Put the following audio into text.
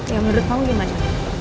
ya menurut lo gimana